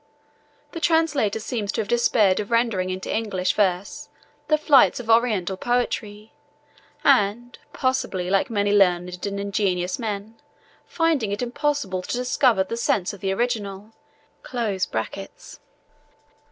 The translator seems to have despaired of rendering into English verse the flights of Oriental poetry; and, possibly, like many learned and ingenious men, finding it impossible to discover the sense of the original, he may have tacitly substituted his own.